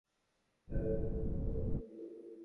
চার ব্যক্তিকে কি করে হত্যা করলে?